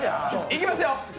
いきますよ。